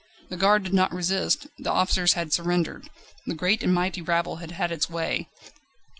The Guard did not resist; the officers had surrendered; the great and mighty rabble had had its way.